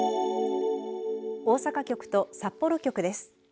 大阪局と札幌局です。